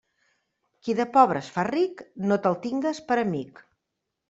Qui de pobre es fa ric, no te'l tingues per amic.